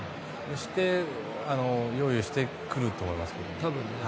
して、用意してくると思いますけど。